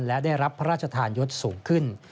และได้รับพระราชทานยศสูงขึ้น